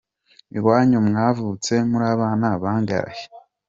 Iwanyu mwavutse murabana bangahe?